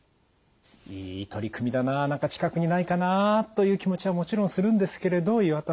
いい取り組みだな何か近くにないかなという気持ちはもちろんするんですけれど岩田さん。